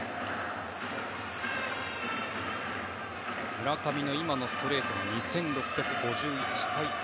村上の今のストレートが２５６１回転。